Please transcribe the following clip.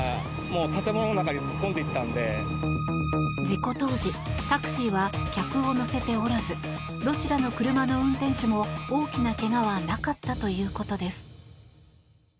事故当時、タクシーは客を乗せておらずどちらの車の運転手も大きな怪我はなかったということです。